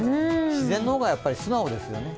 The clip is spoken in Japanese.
自然の方が素直ですよね。